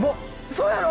そうやろ！？